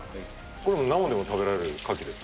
これ生でも食べられるカキですか？